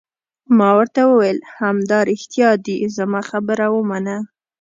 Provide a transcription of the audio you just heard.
ما ورته وویل: همدارښتیا دي، زما خبره ومنه.